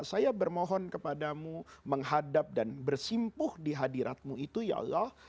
saya bermohon kepadamu menghadap dan bersimpuh di hadiratmu itu ya allah